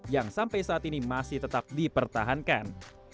yang sampai saat ini masih tetap dipertahankan